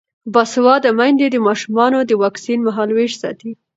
باسواده میندې د ماشومانو د واکسین مهالویش ساتي.